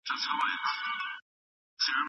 غير مسلمانان خپل شخصي ژوند ته پاملرنه کوي.